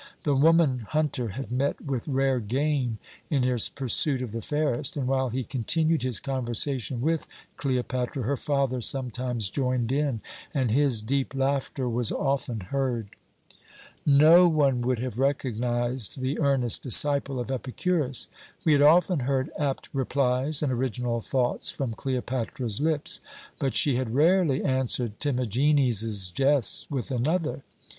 The woman hunter had met with rare game in his pursuit of the fairest, and while he continued his conversation with Cleopatra her father sometimes joined in, and his deep laughter was often heard. "No one would have recognized the earnest disciple of Epicurus. We had often heard apt replies and original thoughts from Cleopatra's lips, but she had rarely answered Timagenes's jests with another.